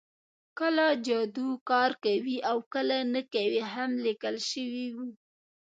کله جادو کار کوي او کله نه کوي هم لیکل شوي وو